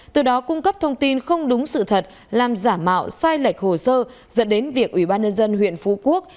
từ đó cung cấp thông tin không đúng sự thật làm giả mạo sai lệch hồ sơ dẫn đến việc ủy ban nhân dân huyện phú quốc